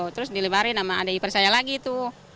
terus dilebarin sama ada iper saya lagi tuh